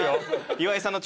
岩井さんの調子。